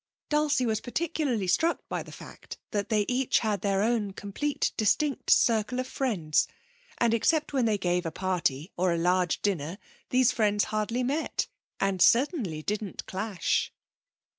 Dulcie was particularly struck by the fact that they each had their own completely distinct circle of friends, and except when they gave a party or a large dinner these friends hardly met, and certainly didn't clash.